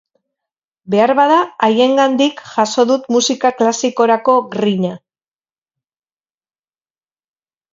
Beharbada, haiengandik jaso dut musika klasikorako grina.